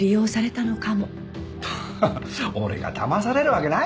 ハハッ俺がだまされるわけないじゃない。